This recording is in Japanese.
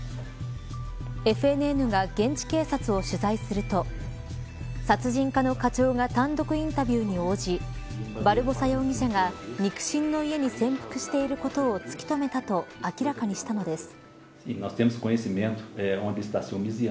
ＦＮＮが現地警察を取材すると殺人課の課長が単独インタビューに応じバルボサ容疑者が肉親の家に潜伏していることを突きとめたと明らかにしたのです。